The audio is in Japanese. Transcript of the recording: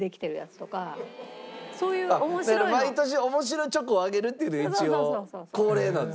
だから毎年面白チョコをあげるっていうのが一応恒例なんですね。